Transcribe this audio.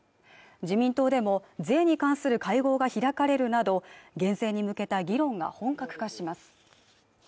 自民党でも税に関する会合が開かれるなど減税に向けた議論が本格化します